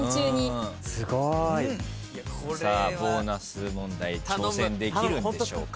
・すごい！さあボーナス問題挑戦できるんでしょうか？